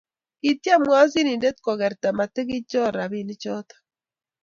kityem wasirinde kokerta matikichor robinik choto